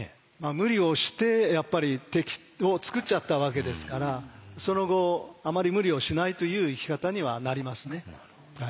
無理をしてやっぱり敵を作っちゃったわけですからその後あまり無理をしないという生き方にはなりますね。